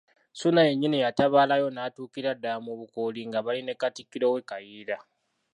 Ssuuna yennyini yatabaalayo n'atuukira ddala mu Bukooli nga bali ne Katikkiro we Kayiira.